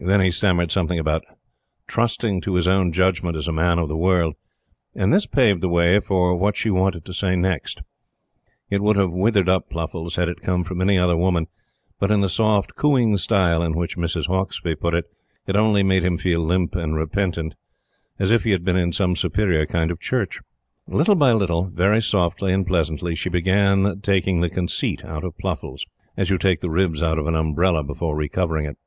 Then he stammered something about "trusting to his own judgment as a man of the world;" and this paved the way for what she wanted to say next. It would have withered up Pluffles had it come from any other woman; but in the soft cooing style in which Mrs. Hauksbee put it, it only made him feel limp and repentant as if he had been in some superior kind of church. Little by little, very softly and pleasantly, she began taking the conceit out of Pluffles, as you take the ribs out of an umbrella before re covering it.